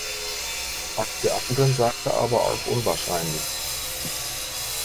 Auf der anderen Seite aber auch unwahrscheinlich.